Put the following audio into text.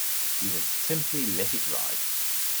He must simply let it ride.